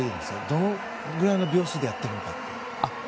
どのぐらいの秒数でやっているのかって。